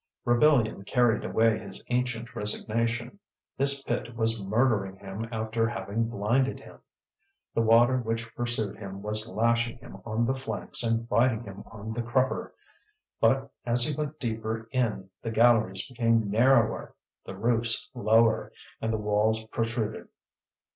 Rebellion carried away his ancient resignation; this pit was murdering him after having blinded him. The water which pursued him was lashing him on the flanks and biting him on the crupper. But as he went deeper in, the galleries became narrower, the roofs lower, and the walls protruded.